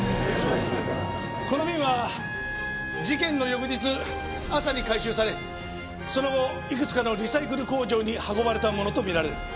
この瓶は事件の翌日朝に回収されその後いくつかのリサイクル工場に運ばれたものと見られる。